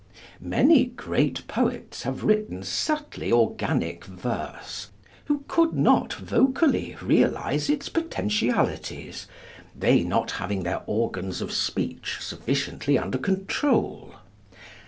Many great poets have written subtly organic verse, who could not vocally realize its potentialities, they not having their organs of speech sufficiently under control.